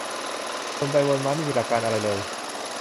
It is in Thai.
วนไปวนมา ไม่มีหลักการอะไรเลย